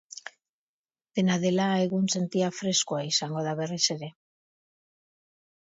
Dena dela, egunsentia freskoa izango da berriz ere.